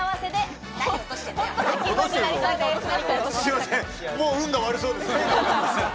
すいません、もう運が悪そう